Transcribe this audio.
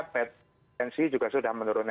petensi juga sudah menurun